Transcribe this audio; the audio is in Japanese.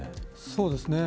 そうですね。